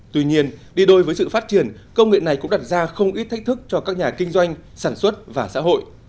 tuy nhiên đi đôi với sự phát triển công nghệ này cũng đặt ra không ít thách thức cho các nhà kinh doanh sản xuất và xã hội